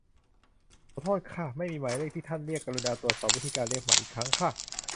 ขอโทษค่ะ ไม่มีเลขหมายที่ท่านเรียก กรุณาตรวจสอบวิธีการเรียกใหม่อีกครั้งค่ะ